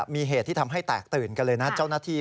มีเหตุที่ทำให้แตกตื่นกันเลยนะเจ้าหน้าที่